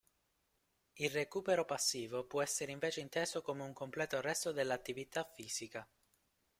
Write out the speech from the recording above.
Il "recupero passivo" può essere invece inteso come un completo arresto dell'attività fisica.